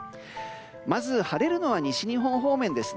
まず晴れるのは西日本方面です。